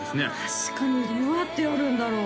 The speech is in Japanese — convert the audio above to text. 確かにどうやってやるんだろう？